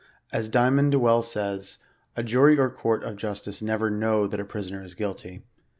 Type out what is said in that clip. As Dymond well says, *• a jury or court of justice never know that a prisoner is guilty.'